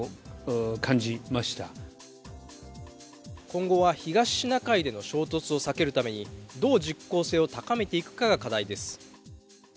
今後は、東シナ海での衝突を避けるためにどう実効性を高めていくかが課題です。